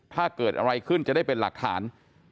ถ้าเกิดอะไรขึ้นจะได้เป็นหลักฐาน